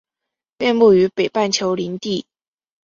遍布于北半球林地。